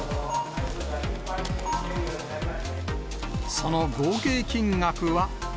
その合計金額は。